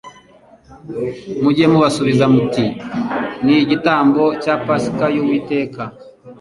Mujye mubasubiza muti 'Ni igitambo cya Pasika y'Uwiteka